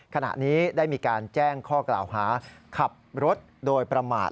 ขณะนี้ได้มีการแจ้งข้อกล่าวหาขับรถโดยประมาท